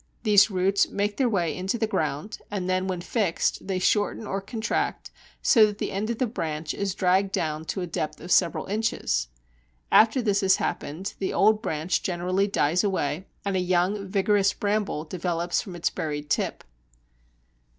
These roots make their way into the ground, and then, when fixed, they shorten or contract, so that the end of the branch is dragged down to a depth of several inches. After this has happened the old branch generally dies away, and a young, vigorous Bramble develops from its buried tip.